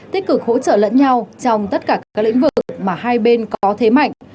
tích cực hỗ trợ lẫn nhau trong tất cả các lĩnh vực mà hai bên có thế mạnh